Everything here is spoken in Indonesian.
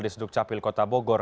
di seduk capil kota bogor